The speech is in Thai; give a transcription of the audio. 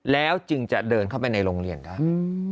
แล้วจึงจะเดินเข้าไปในโรงเรียนได้